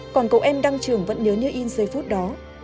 còn cậu em đăng trường vẫn nhớ như in giây phút đó